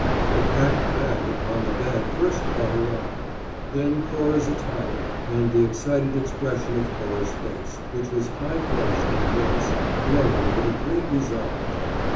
The packed bag upon the bed first caught her eye; then Cora's attire, and the excited expression of Cora's face, which was high flushed and moist, glowing with a great resolve.